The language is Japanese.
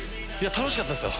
楽しかったですよ。